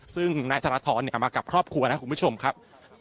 ซึ่งนายธนทรอยู่ที่บริเวณจุดนี้มากับครอบครัวนะครับคุณผู้ชมครับ